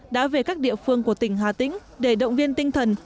đã về các địa phương của tỉnh hà tĩnh để động viên tinh thần